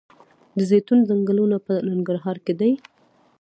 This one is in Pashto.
د زیتون ځنګلونه په ننګرهار کې دي؟